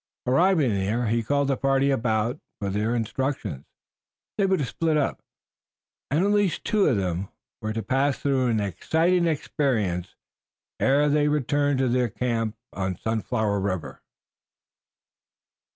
Arriving there he called the party about him for their instructions. They were to split up, and at least two of them were to pass through an exciting experience ere they returned to their camp on Sunflower River.